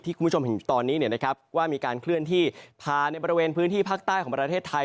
คุณผู้ชมเห็นอยู่ตอนนี้ว่ามีการเคลื่อนที่ผ่านในบริเวณพื้นที่ภาคใต้ของประเทศไทย